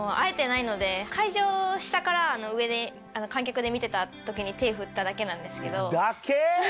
会場下から上に観客で見てた時に手振っただけなんですけど。